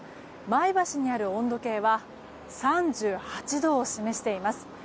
前橋にある温度計は３８度を示しています。